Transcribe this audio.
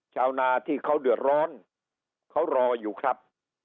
ชาวนาที่เขาเดือดร้อนเขารออยู่ครับ